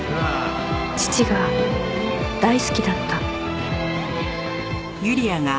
父が大好きだった